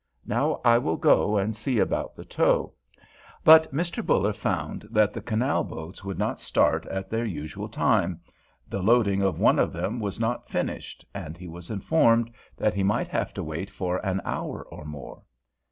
Now I will go and see about the tow." But Mr. Buller found that the canal boats would not start at their usual time; the loading of one of them was not finished, and he was informed that he might have to wait for an hour or more.